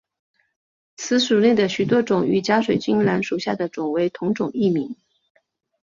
此属内的许多种与假水晶兰属下的种为同种异名。